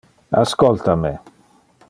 Ascolta me.